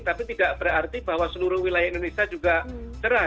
tapi tidak berarti bahwa seluruh wilayah indonesia juga cerah